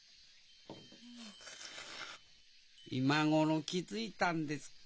今頃気付いたんですか？